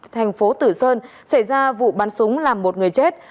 thành phố tử sơn xảy ra vụ bắn súng làm một người chết